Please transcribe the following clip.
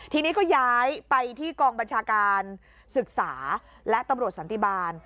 ทีนี้ก็ย้ายไปที่กองบัญชาการศึกษาและตำรวจสันติบาล